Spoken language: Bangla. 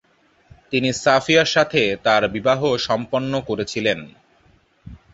তিনি সাফিয়ার সাথে তার বিবাহ সম্পন্ন করেছিলেন।